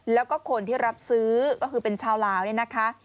แล้วก็คนที่รับซื้อก็คือเป็นชาวลาวเนี่ยนะคะ